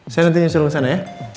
saya nantinya suruh ke sana ya